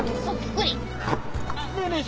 ねえねえ